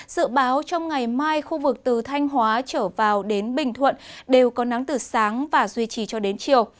dự báo trong ngày mai khu vực từ thanh hóa trở vào đến bình thuận đều có nắng từ sáng và duy trì cho đến chiều